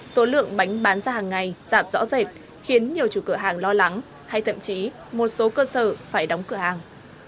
số lượng bánh bán ra hàng ngày giảm rõ rệt khiến nhiều chủ cửa hàng lo lắng hay thậm chí một số cơ sở phải đóng cửa hàng